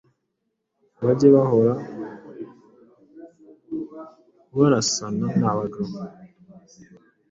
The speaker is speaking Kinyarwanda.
bajye bahora barasana n’abagabo,